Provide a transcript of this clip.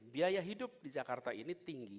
biaya hidup di jakarta ini tinggi